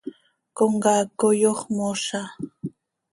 Comcaac coi ox mooza.